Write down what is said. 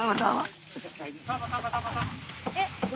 えっ！